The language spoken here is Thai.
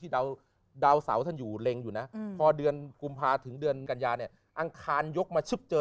ดาวเสาท่านอยู่เล็งอยู่นะพอเดือนกุมภาถึงเดือนกัญญาเนี่ยอังคารยกมาชุบเจอ